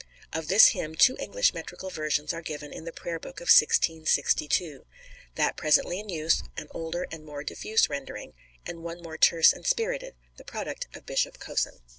Of this hymn two English metrical versions are given in the Prayer Book of 1662—that presently in use, an older and more diffuse rendering, and one more terse and spirited, the product of Bishop Cosin.